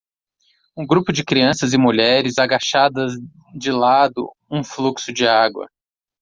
Um grupo de crianças e mulheres agachadas de lado um fluxo de água.